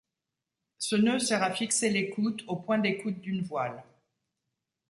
Ce nœud sert à fixer l'écoute au point d'écoute d'une voile.